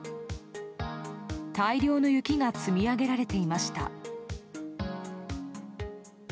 大量の雪が積み上げられていました。